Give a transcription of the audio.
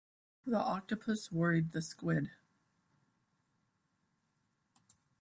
The octopus worried the squid.